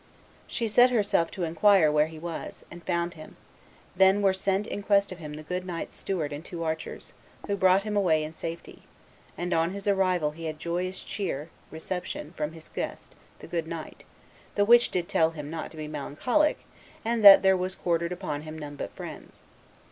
She set herself to inquire where he was, and found him; then were sent in quest of him the good knight's steward and two archers, who brought him away in safety; and on his arrival he had joyous cheer (reception) from his guest, the good knight, the which did tell him not to be melancholic, and that there was quartered upon him none but friends.